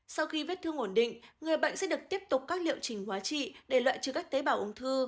sau khi vết thương ổn định người bệnh sẽ được tiếp tục các liệu trình hóa trị để loại trừ các tế bào ung thư